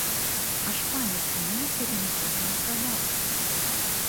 Аж пані спинилась і нічого не сказала.